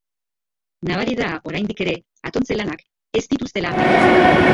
Nabari da oraindik ere atontze-lanak ez dituztela amaitu.